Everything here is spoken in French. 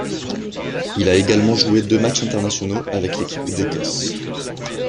Il a également joué deux matchs internationaux avec l'équipe d'Écosse.